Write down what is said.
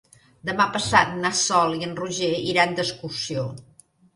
Demà passat na Sol i en Roger iran d'excursió.